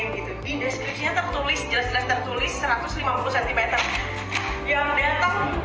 tertulis tertulis satu ratus lima puluh cm yang